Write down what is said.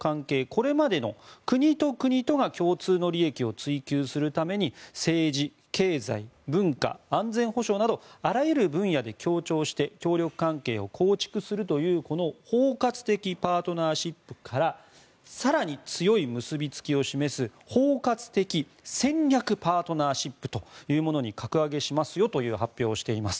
これまでの国と国とが共通の利益を追求するために政治、経済、文化安全保障などあらゆる分野で協調して協力関係を構築するというこの包括的パートナーシップから更に強い結びつきを示す包括的戦略パートナーシップというものに格上げしますよという発表をしています。